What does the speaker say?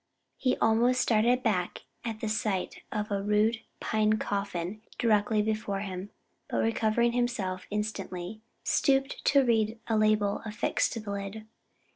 He almost started back at the sight of a rude pine coffin directly before him; but recovering himself instantly, stooped to read a label affixed to the lid.